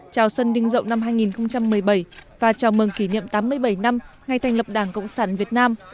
chào xuân đinh dậu năm hai nghìn một mươi bảy và chào mừng kỷ niệm tám mươi bảy năm ngày thành lập đảng cộng sản việt nam